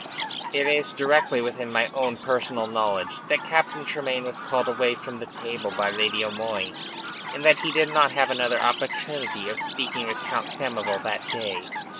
"It is directly within my own personal knowledge that Captain Tremayne was called away from the table by Lady O'Moy, and that he did not have another opportunity of speaking with Count Samoval that day.